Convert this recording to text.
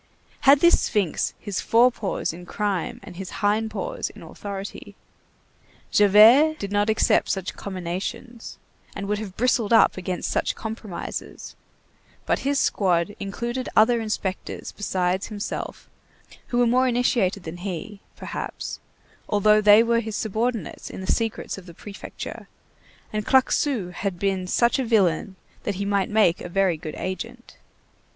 Had this sphinx his fore paws in crime and his hind paws in authority? Javert did not accept such comminations, and would have bristled up against such compromises; but his squad included other inspectors besides himself, who were more initiated than he, perhaps, although they were his subordinates in the secrets of the Prefecture, and Claquesous had been such a villain that he might make a very good agent.